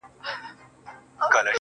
o لـكــه دی لـــونــــــگ.